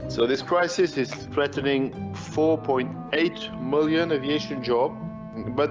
jadi krisis ini menyerang empat delapan miliar pekerjaan aviasi